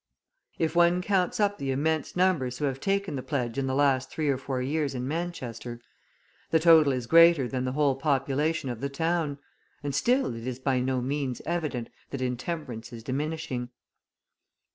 If one counts up the immense numbers who have taken the pledge in the last three or four years in Manchester, the total is greater than the whole population of the town and still it is by no means evident that intemperance is diminishing.